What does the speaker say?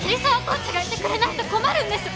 コーチがいてくれないと困るんです！